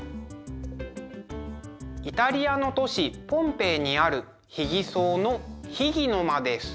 イタリアの都市ポンペイにある「秘儀荘」の「秘儀の間」です。